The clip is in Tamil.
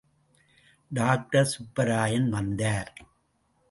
டாக்டர் சுப்பராயன் வந்தார்.